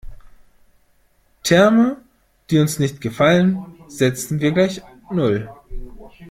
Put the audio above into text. Terme, die uns nicht gefallen, setzen wir gleich null.